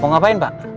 mau ngapain pak